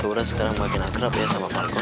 lekura sekarang makin akrab ya sama parkour